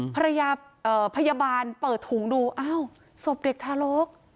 พยาบาลเปิดถุงดูอ้าวศพเด็กทารก